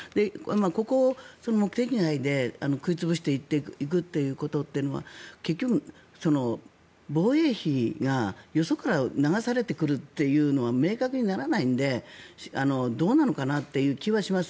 ここの目的外で食い潰していくことというのは結局、防衛費がよそから流されてくるっていうのは明確にならないのでどうなのかなという気はします。